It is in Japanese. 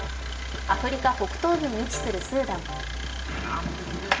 アフリカ北東部に位置するスーダン。